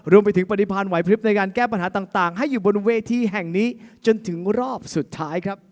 รวมไปถึงปฏิพันธ์ไหวพลิบในการแก้ปัญหาต่างให้อยู่บนเวทีแห่งนี้จนถึงรอบสุดท้ายครับ